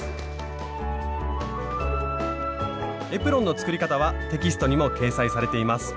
エプロンの作り方はテキストにも掲載されています。